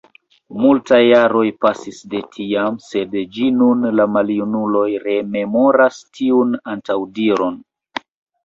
Multaj jaroj pasis de tiam, sed ĝis nun la maljunuloj rememoras tiun antaŭdiron.